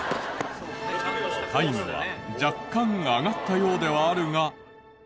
タイムは若干上がったようではあるが。